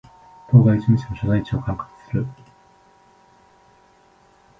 当該事務所の所在地を管轄する